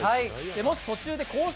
もし途中でコース